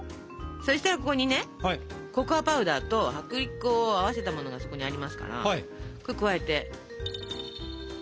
そしたらここにねココアパウダーと薄力粉を合わせたものがそこにありますからこれを加えて。